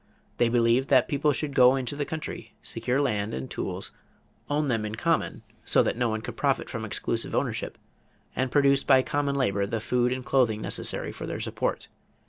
They believed that people should go into the country, secure land and tools, own them in common so that no one could profit from exclusive ownership, and produce by common labor the food and clothing necessary for their support.